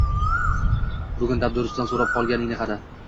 Bugun dabdurustdan so`rab qolganingni qara